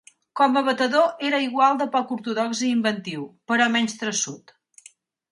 Com a batedor, era igual de poc ortodox i inventiu, però menys traçut.